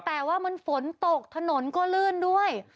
แต่ว่ามันฝนตกถนนก็ลื่นด้วย